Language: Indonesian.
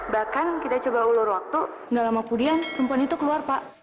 bahkan kita coba ulur waktu gak lama pudian perempuan itu keluar pak